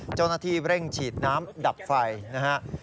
เจ้าหน้าที่เร่งฉีดน้ำดับไฟนะครับ